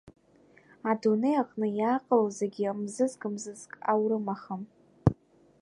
Адунеи аҟны иааҟало зегьы мзызк-мзызк аурымахым.